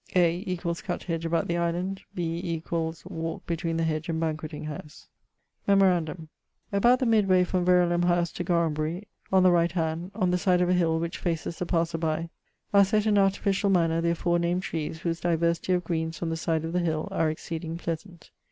(a) = cutt hedge about the island. (b) = walke between the hedge and banquetting howse. Memorandum: about the mid way from Verolam house to Gorambery, on the right hand, on the side of a hill which faces the passer by, are sett in artificiall manner the afore named trees, whose diversity of greens on the side of the hill are exceeding pleasant.